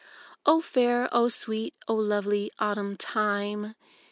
Oh fair, oh sweet, uh lovely autumn time